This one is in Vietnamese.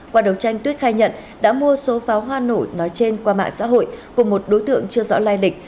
qua đấu tranh tuyết khai nhận đã mua số pháo hoa nổi nói trên qua mạng xã hội cùng một đối tượng chưa rõ lai lịch